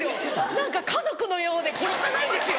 何か家族のようで殺せないんですよ。